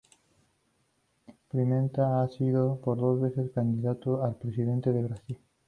Pimenta ha sido por dos veces candidato a presidente de Brasil.